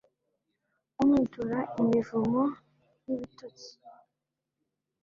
umwitura imivumo n'ibitutsi